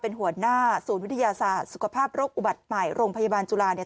เป็นหัวหน้าศูนย์วิทยาศาสตร์สุขภาพโรคอุบัติใหม่โรงพยาบาลจุฬาเนี่ย